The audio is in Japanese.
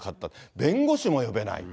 弁護士も呼べない。